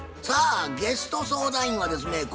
さあゲスト相談員はですね